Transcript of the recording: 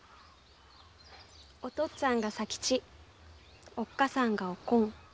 お父っつぁんが佐吉おっかさんがおこん。